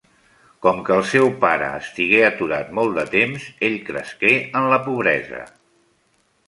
Com que el seu pare estigué aturat molt de temps, ell cresqué en la pobresa.